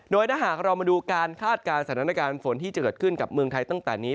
โดยถ้าหากเรามาดูการคาดการณ์สถานการณ์ฝนที่จะเกิดขึ้นกับเมืองไทยตั้งแต่นี้